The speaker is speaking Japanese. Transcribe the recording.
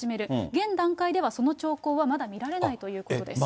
現段階ではその兆候はまだ見られないということです。